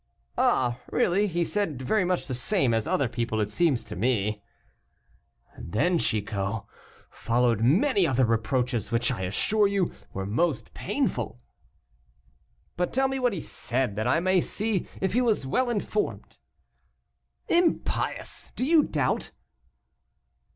'" "Ah, really; he said very much the same as other people, it seems to me." "Then, Chicot, followed many other reproaches, which I assure you were most painful." "But tell me what he said, that I may see if he was well informed?" "Impious! do you doubt?"